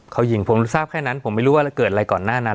เขายิงผมทราบแค่นั้นผมไม่รู้ว่าเกิดอะไรก่อนหน้านั้น